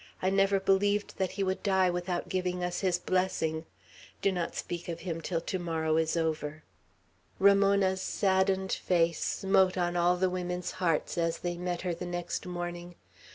"I never believed that he would die without giving us his blessing. Do not speak of him till to morrow is over." Ramona's saddened face smote on all the women's hearts as they met her the next morning.